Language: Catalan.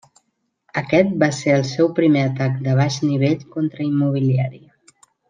Aquest va ser el seu primer atac de baix nivell contra immobiliari.